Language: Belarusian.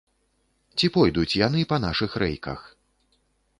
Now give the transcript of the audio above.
Ці пойдуць яны па нашых рэйках?